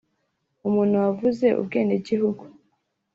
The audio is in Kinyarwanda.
umuntu aba avuze ubwenegihugu